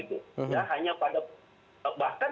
terlalu mensimplikasikan persoalan